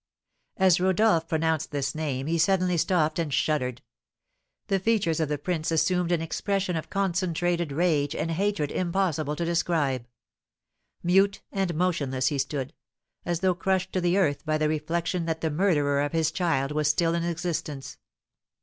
As Rodolph pronounced this name he suddenly stopped and shuddered. The features of the prince assumed an expression of concentrated rage and hatred impossible to describe; mute and motionless he stood, as though crushed to the earth by the reflection that the murderer of his child was still in existence.